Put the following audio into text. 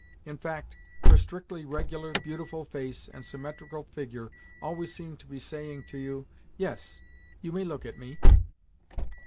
In fact, her strictly regular, beautiful face and symmetrical figure always seemed to be saying to you, "Yes, you may look at me."